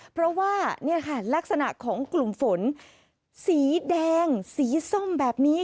เพราะว่านี่ค่ะลักษณะของกลุ่มฝนสีแดงสีส้มแบบนี้